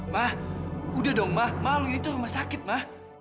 maha udah dong ma ma lu ini tuh rumah sakit ma